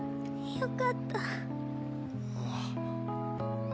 よかった。